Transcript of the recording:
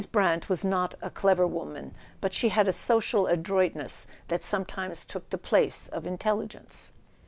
Brant was not a clever woman, but she had a social adroitness that sometimes took the place of in¬ telligence.